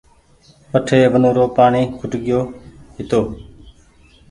وٺي ونورو پآڻيٚ کٽگيو هيتو